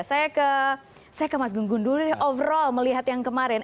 saya ke mas gun gun dulu nih overall melihat yang kemarin